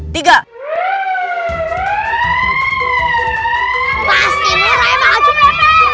bila mencari hasil était